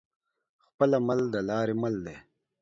خپل عمل د لارې مل دى.